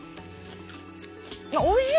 おいしい！